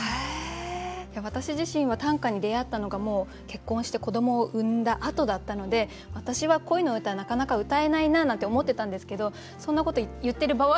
私自身は短歌に出会ったのがもう結婚して子どもを産んだあとだったので私は恋の歌なかなかうたえないななんて思ってたんですけどそんなこと言ってる場合じゃないですよね。